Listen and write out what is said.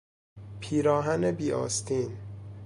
پیراهن بی آستین